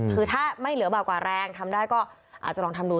คือถ้าไม่เหลือเบากว่าแรงทำได้ก็อาจจะลองทำดู